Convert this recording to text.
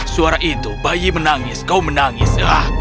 suara itu bayi menangis kau menangislah